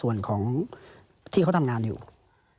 ปีอาทิตย์ห้ามีสปีอาทิตย์ห้ามีส